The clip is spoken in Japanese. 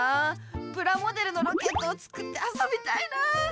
プラモデルのロケットを作ってあそびたいな。